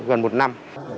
khoảng một năm